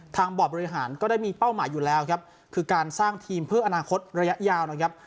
บอร์ดบริหารก็ได้มีเป้าหมายอยู่แล้วครับคือการสร้างทีมเพื่ออนาคตระยะยาวนะครับ